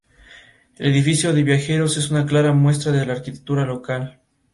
Habría mantenido una relación de amistad con Manuel Azaña.